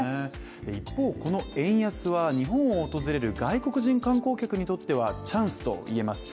一方、この円安は日本を訪れる外国人観光客にとってはチャンスといえます。